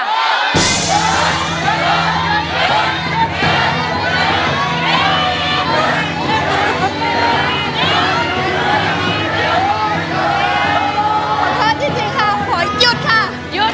ขอขอจริงจริงครับขอให้หยุดค่ะ